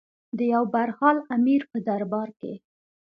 د یو برحال امیر په دربار کې.